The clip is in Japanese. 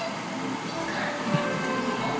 いつからとまってるの？